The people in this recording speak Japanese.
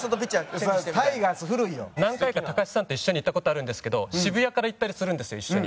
何回かたかしさんと一緒に行った事あるんですけど渋谷から行ったりするんですよ一緒に。